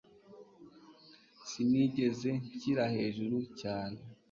sinigeze nshyira hejuru cyane